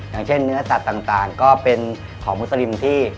อย่างเช่นเนื้อสัตว์ต่างก็เป็นของมุสลิมที่